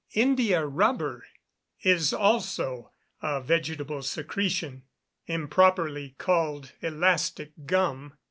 India rubber is also a vegetable secretion, improperly called elastic gum.